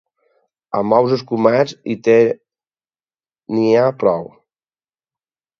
Amb ous escumats i te n'hi ha prou.